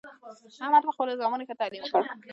احمد په خپلو زامنو ښه تعلیم وکړ